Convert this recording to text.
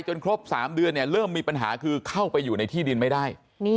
ครบ๓เดือนเริ่มมีปัญหาคือเข้าไปอยู่ในที่ดินไม่ได้